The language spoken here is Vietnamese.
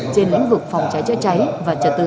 trên lĩnh vực phòng cháy chữa cháy và trật tự